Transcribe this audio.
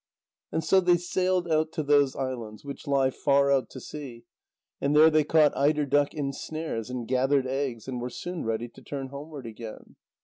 And so they sailed out to those islands, which lie far out at sea, and there they caught eider duck in snares, and gathered eggs, and were soon ready to turn homeward again.